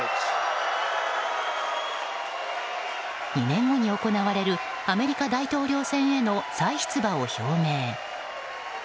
２年後に行われるアメリカ大統領選への再出馬を表明。